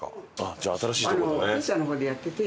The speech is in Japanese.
じゃあ新しいところだね。